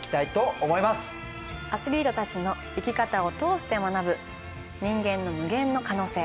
アスリートたちの生き方を通して学ぶ人間の無限の可能性。